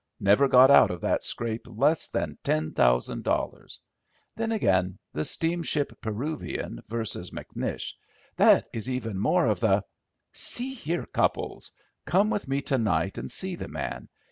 Never got out of that scrape less than ten thousand dollars. Then again, the steamship Peruvian versus McNish; that is even more to the—" "See here, Cupples. Come with me to night and see the man.